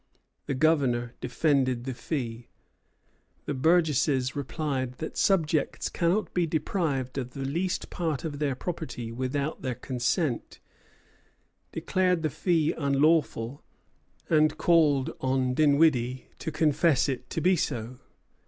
The Governor defended the fee. The burgesses replied that "subjects cannot be deprived of the least part of their property without their consent," declared the fee unlawful, and called on Dinwiddie to confess it to be so.